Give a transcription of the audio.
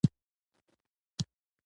د دې ملاقات نتیجه دا شوه.